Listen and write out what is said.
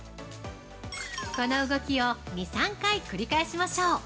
◆この動きを２３回繰り返しましょう。